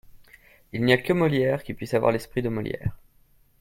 Il n’y a que Molière qui puisse avoir l’esprit de Molière.